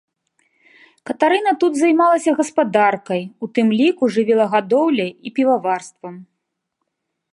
Катарына тут займалася гаспадаркай, у тым ліку жывёлагадоўляй і піваварствам.